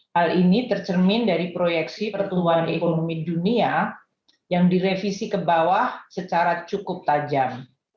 hal ini tercermin dari proyeksi pertumbuhan ekonomi dunia yang direvisi ke bawah secara cukup tajam